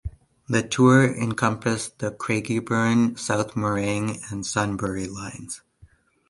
The tour encompassed the Craigieburn, South Morang and Sunbury lines.